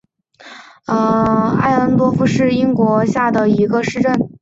艾恩多夫是德国下萨克森州的一个市镇。